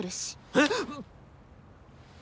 えっ！？